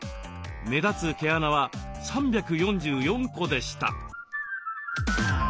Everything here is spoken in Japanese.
目立つ毛穴は３４４個でした。